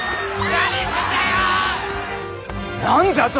何じゃと！？